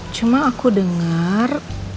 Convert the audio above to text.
cuma aku denger